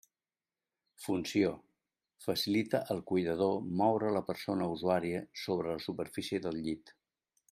Funció: facilita al cuidador moure la persona usuària sobre la superfície del llit.